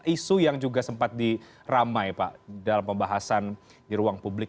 isu yang juga sempat diramai pak dalam pembahasan di ruang publik